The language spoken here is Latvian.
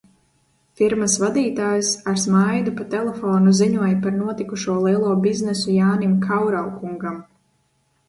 Firmas vadītājs, ar smaidu, pa telefonu ziņoja par notikušo lielo biznesu Jānim Kurau kungam.